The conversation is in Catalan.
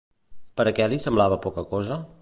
Per a què li semblava poca cosa?